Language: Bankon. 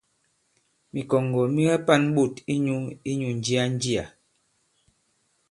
Mìkɔ̀ŋgɔ̀ mi ka-pa᷇n ɓôt i minyǔ inyū ǹjia-njià.